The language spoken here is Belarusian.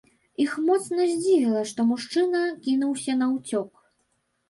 Іх моцна здзівіла, што мужчына кінуўся наўцёк.